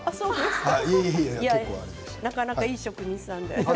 なかなかいい職人さんで。